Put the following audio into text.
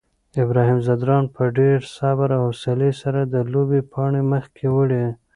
ابراهیم ځدراڼ په ډېر صبر او حوصلې سره د لوبې پاڼۍ مخکې وړي.